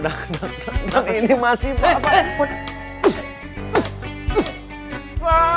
dang ini masih basah